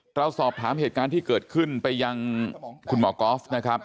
เราสอบถามเหตุการณ์ที่เกิดขึ้นไปยังคุณหมอก๊อฟนะครับ